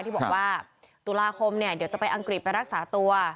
ที่บอกว่าตุลาคมเนี่ยเดี๋ยวจะไปอังกฤษไปรักษาตัว